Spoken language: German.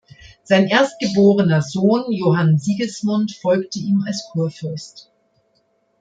Sein erstgeborener Sohn Johann Sigismund folgte ihm als Kurfürst.